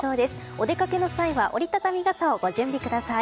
お出かけの際は折り畳み傘をご準備ください。